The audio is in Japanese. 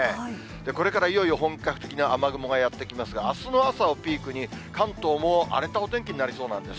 これからいよいよ本格的な雨雲がやって来ますが、あすの朝をピークに、関東も荒れたお天気になりそうなんです。